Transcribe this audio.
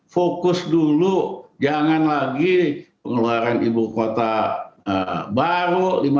fokus dulu jangan lagi pengeluaran ibu kota baru